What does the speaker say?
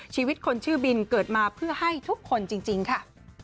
ชีวิตคนชื่อบินเกิดมาเพื่อให้ทุกคนจริงค่ะ